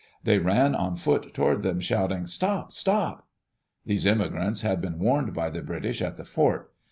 They ran on foot toward them, shouting, " Stop 1 Stop 1 " These immigrants had been warned by the British at the fort.